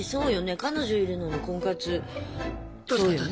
彼女いるのに婚活そうよね。